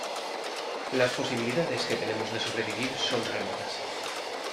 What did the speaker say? las posibilidades que tenemos de sobrevivir son remotas,